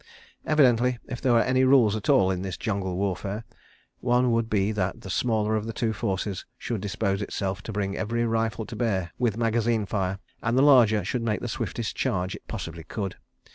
... Evidently, if there were any rules at all in this jungle warfare, one would be that the smaller of the two forces should dispose itself to bring every rifle to bear with magazine fire, and the larger should make the swiftest charge it possibly could.